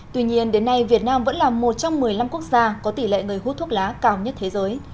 tuy nhiên đến nay việt nam vẫn là một trong một mươi năm quốc gia có tỷ lệ người hút thuốc lá cao nhất thế giới